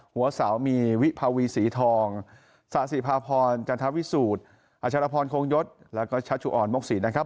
หัวเสามีวิภาวีสีทองศาสิภาพรจันทวิสูจน์อัชรพรโคงยศแล้วก็ชัชชุออนมกศรีนะครับ